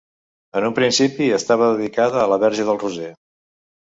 En un principi estava dedicada a la Verge del Roser.